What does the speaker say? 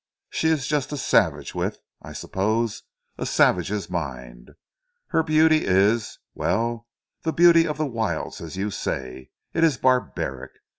She is just a savage, with, I suppose, a savage's mind. Her beauty is well, the beauty of the wilds as you say. It is barbaric.